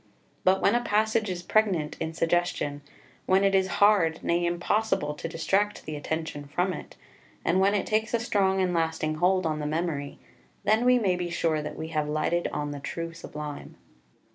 But when a passage is pregnant in suggestion, when it is hard, nay impossible, to distract the attention from it, and when it takes a strong and lasting hold on the memory, then we may be sure that we have lighted on the true Sublime.